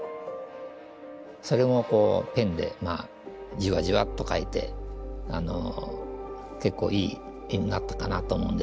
それもこうペンでじわじわっと描いて結構いい絵になったかなと思うんですけども。